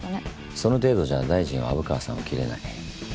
その程度じゃ大臣は虻川さんを切れない。